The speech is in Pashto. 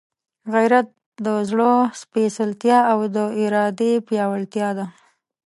غیرت د زړه سپېڅلتیا او د ارادې پیاوړتیا ده.